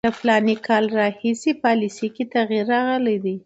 له فلاني کال راهیسې پالیسي کې تغییر راغلی.